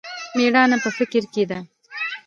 مېړانه په فکر کښې ده.